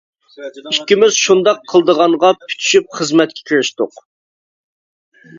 ئىككىمىز شۇنداق قىلىدىغانغا پۈتۈشۈپ خىزمەتكە كىرىشتۇق.